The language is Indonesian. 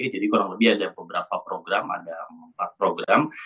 jadi kurang lebih ada beberapa program ada empat program